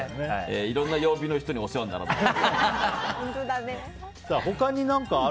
いろんな曜日の人にお世話になりますね。